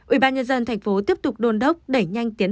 ubnd thành phố tiếp tục đôn đốc đẩy nhanh tiến độ